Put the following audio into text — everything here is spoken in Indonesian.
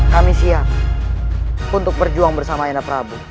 kami siap untuk berjuang bersama ayana prabu